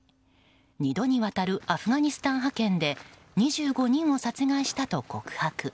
２度にわたるアフガニスタン派遣で２５人を殺害したと告白。